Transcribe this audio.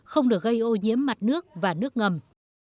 không được gây ô nhiễm mặt nước và nước ngầm